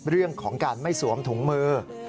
เรื่องของการไม่สวมถุงมือ